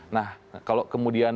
nah kalau kemudian